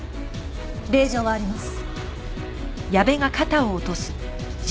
令状はあります。